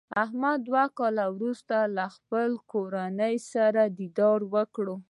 احمد دوه کاله ورسته له خپلې کورنۍ سره دیدار وکړ.